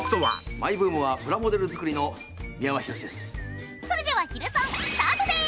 マイブームはプラモデル作りの三山ひろしです。